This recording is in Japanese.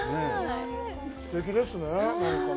すてきですね。